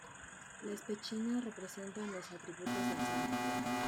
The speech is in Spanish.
Las pechinas representan los atributos del santo.